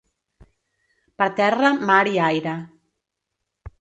Per terra, mar i aire.